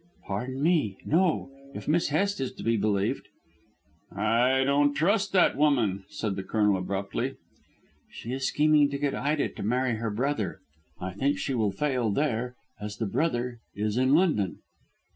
"Pardon me, no, if Miss Hest is to be believed." "I don't trust that woman," said the Colonel abruptly. "She is scheming to get Ida to marry her brother." "I think she will fail there, as the brother is in London."